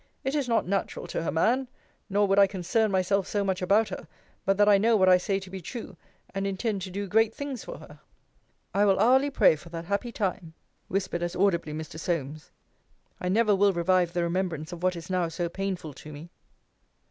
It is not natural to her, man. Nor would I concern myself so much about her, but that I know what I say to be true, and intend to do great things for her. I will hourly pray for that happy time, whispered as audibly Mr. Solmes. I never will revive the remembrance of what is now so painful to me.